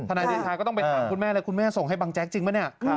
นายเดชาก็ต้องไปถามคุณแม่เลยคุณแม่ส่งให้บังแจ๊กจริงปะเนี่ย